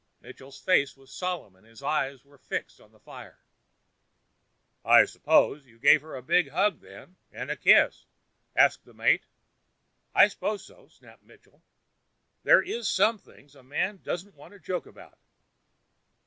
Mitchell's face was solemn, and his eyes were fixed on the fire. "I suppose you gave her a good hug then, and a kiss?" asked the mate. "I s'pose so," snapped Mitchell. "There is some things a man doesn't want to joke about....